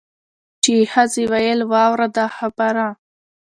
چي یې ښځي ویل واوره دا خبره